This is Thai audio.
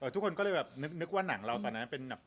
ทุกคนก็เลยแบบนึกว่าหนังเราตอนนั้นเป็นแบบ